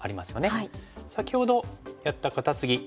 先ほどやったカタツギ